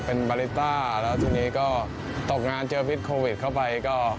เป็นบาริต้าแล้วทีนี้ก็ตกงานเจอพิษโควิดเข้าไปก็